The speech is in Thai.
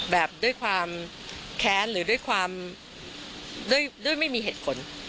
แบบด้วยความแค้นหรือด้วยความด้วยไม่มีเหตุผล